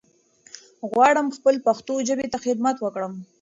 غواړم خپل پښتو ژبې ته خدمت وکړم